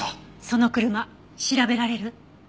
その車調べられる？